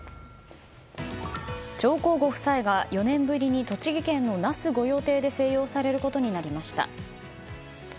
上皇ご夫妻が４年ぶりに栃木県の那須御用邸で静養されることになりました。